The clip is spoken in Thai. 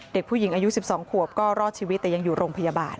เด็กผู้หญิงอายุ๑๒ขวบก็รอดชีวิตแต่ยังอยู่โรงพยาบาล